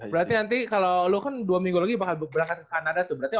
kas berarti nanti kalau lo kan dua minggu lagi akan berangkat ke kanada tuh